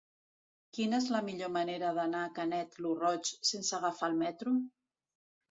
Quina és la millor manera d'anar a Canet lo Roig sense agafar el metro?